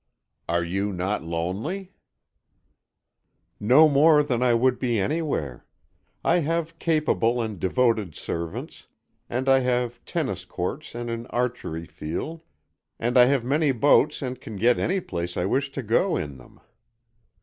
"Are you not lonely?" "No more than I would be anywhere. I have capable and devoted servants, and I have tennis courts and an archery field and I have many boats and can get any place I wish to go in them.